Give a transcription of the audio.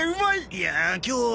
いや今日は。